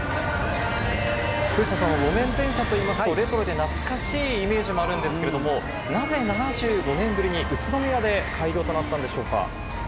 藤田さん、路面電車といいますと、レトロで懐かしいイメージもあるんですけれども、なぜ７５年ぶりに宇都宮で開業となったんでしょうか。